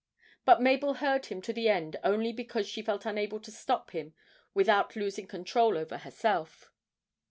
But Mabel heard him to the end only because she felt unable to stop him without losing control over herself.